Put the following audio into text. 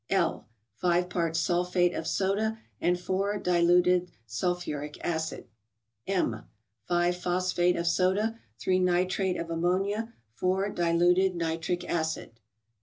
L. —Five parts sulphate of soda, and 4 diluted sulphur¬ ic acid. M. —Five phosphate of soda, 3 nitrate of ammonia, 4 diluted nitric acid.